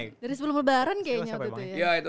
dari sebelum lebaran kayaknya waktu itu ya